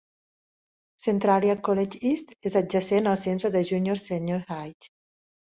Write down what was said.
Centralia College East és adjacent al centre de Junior-Senior High.